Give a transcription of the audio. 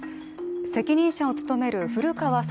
責任者を務める古川聡